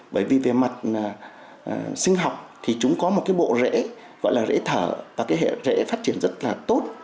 bởi vì về mặt sinh học thì chúng có một cái bộ rễ gọi là rễ thở và cái hệ rễ phát triển rất là tốt